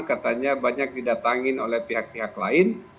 katanya banyak didatangin oleh pihak pihak lain